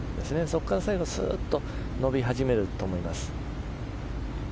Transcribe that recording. そこから最後スーッと伸び始めると思います。